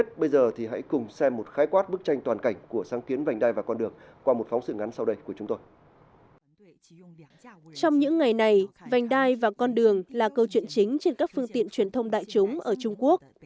trong những ngày này vành đai và con đường là câu chuyện chính trên các phương tiện truyền thông đại chúng ở trung quốc